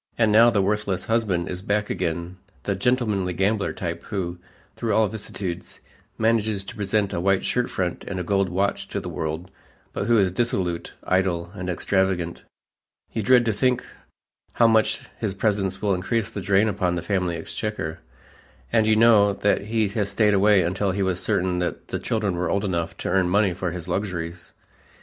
And now the worthless husband is back again the "gentlemanly gambler" type who, through all vicissitudes, manages to present a white shirtfront and a gold watch to the world, but who is dissolute, idle and extravagant. You dread to think how much his presence will increase the drain upon the family exchequer, and you know that he stayed away until he was certain that the children were old enough to earn money for his luxuries.